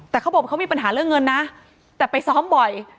แต่เขาบอกเขามีปัญหาเรื่องเงินนะแต่ไปซ้อมบ่อย